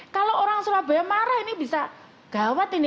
kalau orang surabaya marah ini bisa gawat ini